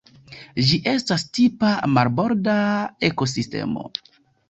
Ĝi estas tipa marborda ekosistemo.